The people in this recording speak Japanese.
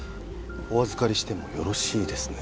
お預かりしてもよろしいですね？